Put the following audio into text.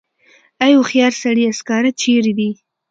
ای هوښیار سړیه سکاره چېرې دي.